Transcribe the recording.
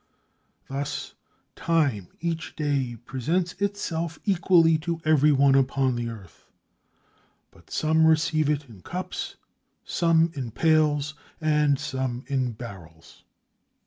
Thus, time each day presents itself equally to everyone upon the earth, but some receive it in cups, some in pails, and some in barrels.